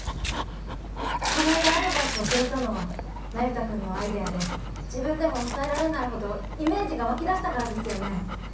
この間アドバイスをくれたのは那由他君のアイデアで自分でも抑えられないほどイメージが湧き出したからですよね？